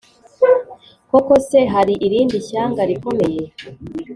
Koko se, hari irindi shyanga rikomeye